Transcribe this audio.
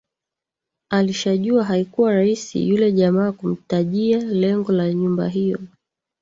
Alishajua haikuwa rahisi yule jamaa kumtajia lengo la nyumba hio